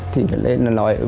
thì nó lên nó nói